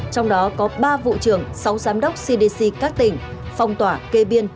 trong đó có ba vụ trưởng sáu giám đốc cdc các tỉnh phong tỏa kê biên